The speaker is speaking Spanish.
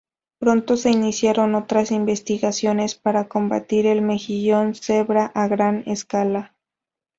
Pronto se iniciaron otras investigaciones para combatir el mejillón cebra a gran escala.